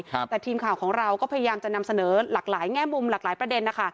แต่ทีมข่าวของเราก็พยายามจะนำเสนอหลากหลายแง่มุมหลากหลายประเด็นนะคะ